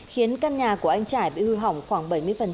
khiến căn nhà của anh trải bị hư hỏng khoảng bảy mươi